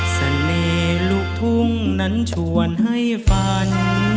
เสน่ห์ลูกทุ่งนั้นชวนให้ฝัน